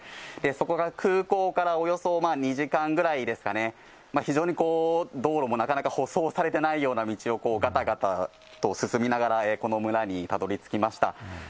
そこが空港からおよそ２時間ぐらいですかね、非常に道路もなかなか舗装されてないような道を、がたがたと進みながら、この村にたどりつきました。